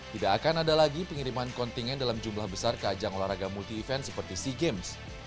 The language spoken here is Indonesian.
tidak akan ada lagi pengiriman kontingen dalam jumlah besar ke ajang olahraga multi event seperti sea games